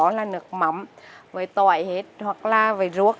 đó là nước mậm với tỏi hoặc là với ruột